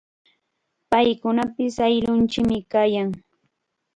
Paykunapis ayllunchikmi kayan.